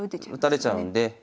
打たれちゃうんで。